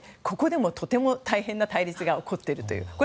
ここでもとても大変な対立が起こっているという。